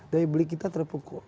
dari beli kita terpukul